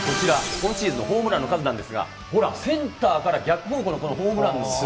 今シーズンのホームランの数なんですが、ほら、センターから逆方向のこのホームランの数。